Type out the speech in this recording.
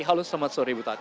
halo selamat sore ibu tati